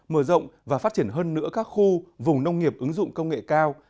mở rộng và phát triển hơn nữa các khu vùng nông nghiệp ứng dụng công nghệ cao